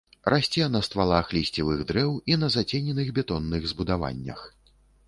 Расце на ствалах лісцевых дрэў і на зацененых бетонных збудаваннях.